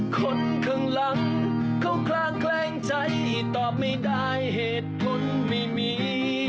คนข้างหลังเขาคลางแคลงใจตอบไม่ได้เหตุผลไม่มี